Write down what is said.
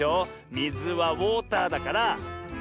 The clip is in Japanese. みずはウォーターだからウォーター。